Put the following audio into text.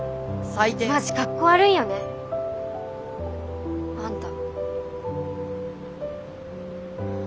マジかっこ悪いよねあんた。